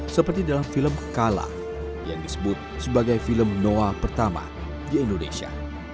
seperti dalam film kala yang disebut sebagai film noah pertama di indonesia